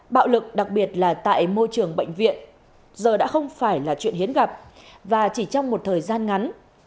bạo lực đặc biệt là tại môi trường bệnh viện giờ đã không phải là chuyện hiếm gặp và chỉ trong một thời gian ngắn